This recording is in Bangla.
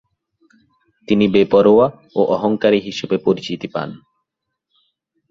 তিনি বেপরোয়া ও অহংকারী হিসেবে পরিচিতি পান।